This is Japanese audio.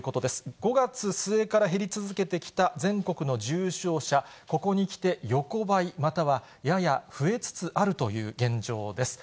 ５月末から減り続けてきた全国の重症者、ここにきて横ばい、またはやや増えつつあるという現状です。